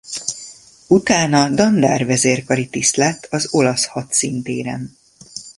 Utána dandár vezérkari tiszt lett az olasz hadszíntéren.